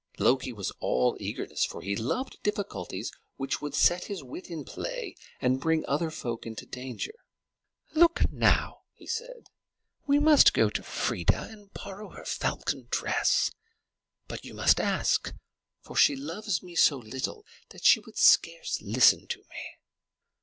Loki was now all eagerness, for he loved difficulties which would set his wit in play and bring other folk into danger. "Look, now," he said. "We must go to Freia and borrow her falcon dress. But you must ask; for she loves me so little that she would scarce listen to me."